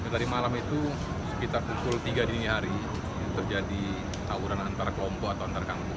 tadi malam itu sekitar pukul tiga dini hari terjadi tawuran antara kelompok atau antar kampung